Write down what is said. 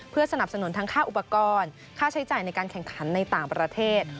เพื่อสนับสนุนทั้งค่าอุปกรณ์ค่าใช้จ่ายในการแข่งขันในต่างประเทศ